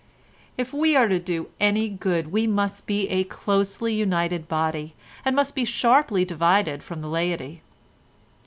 "If we are to do any good we must be a closely united body, and must be sharply divided from the laity.